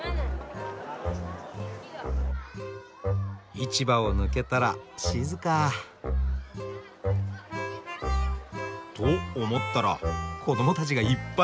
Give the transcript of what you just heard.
市場を抜けたら静か。と思ったら子どもたちがいっぱい。